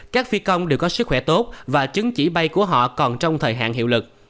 các phi công đều có sức khỏe tốt và chứng chỉ bay của họ còn trong thời hạn hiệu lực